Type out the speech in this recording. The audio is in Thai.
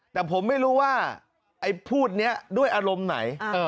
แต่ผมไม่รู้ว่าไอ้พูดนี้ด้วยอารมณ์ไหน